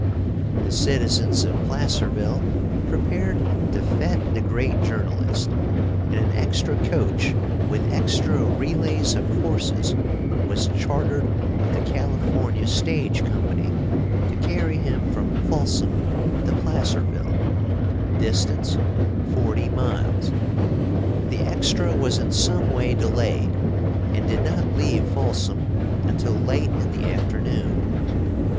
The citizens of Placerville prepared to fête the great journalist, and an extra coach with extra relays of horses was chartered of the California Stage Company to carry him from Folsom to Placerville distance, forty miles. The extra was in some way delayed, and did not leave Folsom until late in the afternoon.